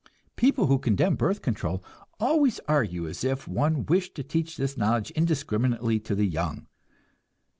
People who condemn birth control always argue as if one wished to teach this knowledge indiscriminately to the young.